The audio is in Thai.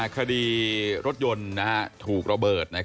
คดีรถยนต์ถูกระเบิด